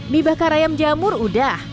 mie bakar ayam jamur udah